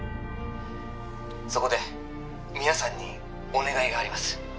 そこで皆さんにお願いがあります